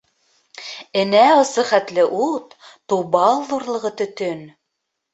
Энә осо хәтле ут, тубал ҙурлығы төтөн.